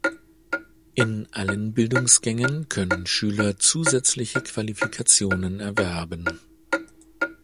In allen Bildungsgängen können Schüler zusätzliche Qualifikationen erwerben.